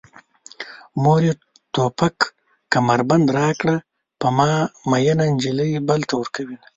مورې توپک کمربند راکړه په ما مينه نجلۍ بل ته ورکوينه